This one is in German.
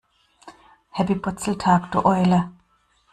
Happy Purzeltag, du Eule!